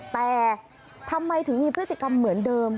แต่ทำไมถึงมีพฤติกรรมเหมือนเดิม